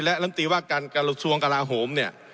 และรัฐมนตรีว่าการกระทรวงกราหม